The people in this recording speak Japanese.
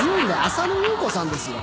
浅野ゆう子さんですよ。